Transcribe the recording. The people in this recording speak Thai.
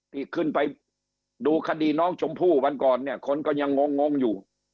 ที่ขึ้นไปดูคดีน้องชมพู่วันก่อนเนี่ยคนก็ยังงงงอยู่